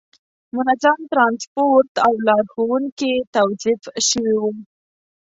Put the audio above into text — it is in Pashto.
منظم ترانسپورت او لارښوونکي توظیف شوي وو.